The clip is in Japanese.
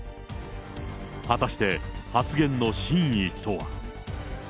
果たして発言の真意とは。